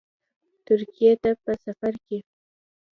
ترکیې ته په سفرکې